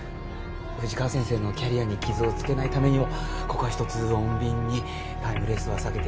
富士川先生のキャリアに傷をつけないためにもここはひとつ穏便にタイムレースは避けて頂いた方が。